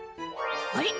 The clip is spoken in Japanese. あれ？